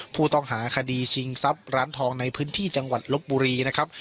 ผู้ต้องหาคดีชิงทรัพย์ร้านทองในพื้นที่จังหวัดลบบุรีนะครับ